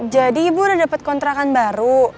jadi ibu udah dapet kontrakan baru